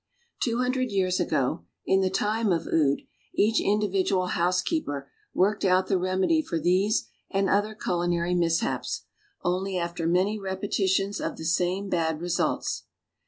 Two hundred years ago, in the time of Ude, each individual house keeper worked out the remedy for Ihese and other culinary mishaps only after many repetitions of the same bad results.